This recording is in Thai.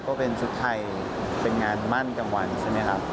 ก็เป็นชุดไทยเป็นงานมั่นกลางวันใช่ไหมครับ